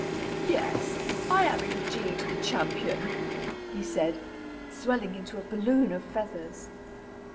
"Yes, I am indeed the champion," he said, swelling into a balloon of feathers.